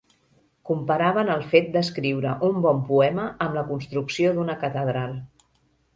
Comparaven el fet d'escriure un bon poema amb la construcció d'una catedral.